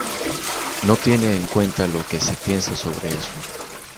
No tiene en cuenta lo que se piensa sobre eso